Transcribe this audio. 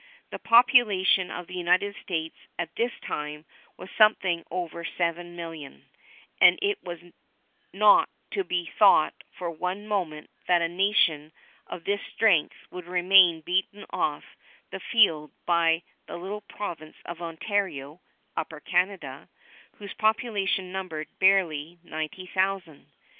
The population of the United States at this time was something over seven millions, and it was not to be thought for one moment that a nation of this strength would remain beaten off the field by the little province of Ontario (Upper Canada), whose population numbered barely ninety thousand.